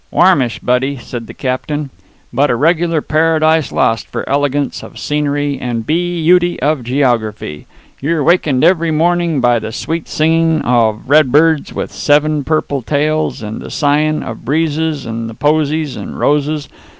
"Warmish, buddy," said the captain. "But a regular Paradise Lost for elegance of scenery and be yooty of geography. Ye're wakened every morning by the sweet singin' of red birds with seven purple tails, and the sighin' of breezes in the posies and roses.